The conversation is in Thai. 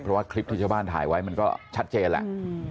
เพราะว่าคลิปที่ชาวบ้านถ่ายไว้มันก็ชัดเจนแหละ